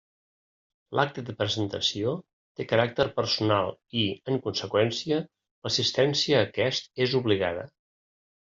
L'acte de presentació té caràcter personal i, en conseqüència, l'assistència a aquest és obligada.